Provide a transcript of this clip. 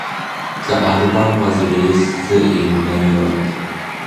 The album was released in main Europe.